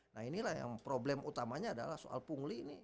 nah inilah yang problem utamanya adalah soal pungli ini